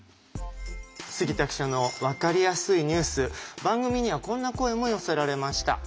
杉田記者のわかりやすいニュース番組にはこんな声も寄せられました。